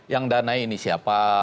yang dana ini siapa